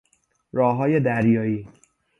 راههای دریایی